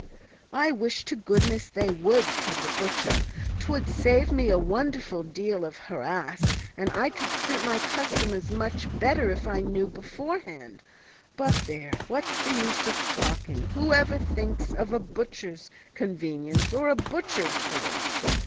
"I wish to goodness they would," said the butcher; "'twould save me a wonderful deal of harass, and I could suit my customers much better if I knew beforehand But there! what's the use of talking who ever thinks of a butcher's convenience or a butcher's horse!